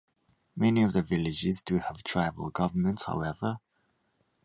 Many of the villages do have tribal governments, however.